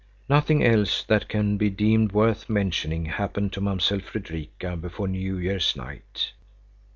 Nothing else that can be deemed worth mentioning happened to Mamsell Fredrika before New Year's night.